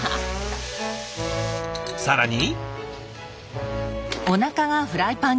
更に。